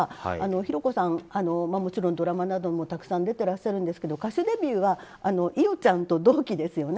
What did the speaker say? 寛子さん、ドラマなどもたくさん出てらっしゃいますが歌手デビューは伊代ちゃんと同期ですよね。